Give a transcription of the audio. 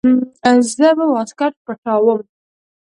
زه به واسکټ پټاووم.